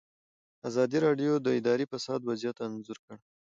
ازادي راډیو د اداري فساد وضعیت انځور کړی.